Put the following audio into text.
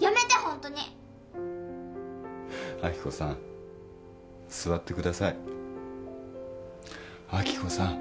やめてホントに亜希子さん座ってください亜希子さん